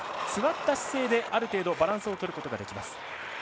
座った姿勢である程度バランスを取ることができます。